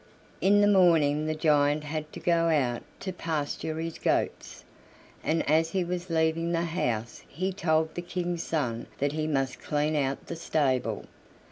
In the morning the giant had to go out to pasture his goats, and as he was leaving the house he told the King's son that he must clean out the stable.